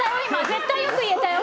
絶対良く言えたよ。